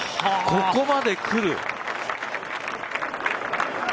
ここまでくる！？